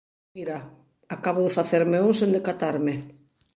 Mira, acabo de facerme un sen decatarme.